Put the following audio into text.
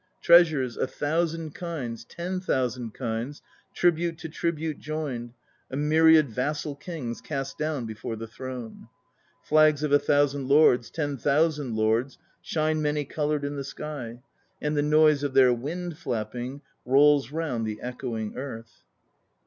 Treasures, a thousand kinds, ten thousand kinds, Tribute to tribute joined, a myriad vassal kings Cast down before the Throne. Flags of a thousand lords, ten thousand lords Shine many coloured in the sky, And the noise of their wind flapping Rolls round the echoing earth.